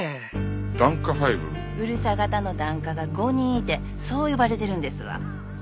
うるさ型の檀家が５人いてそう呼ばれてるんですわ。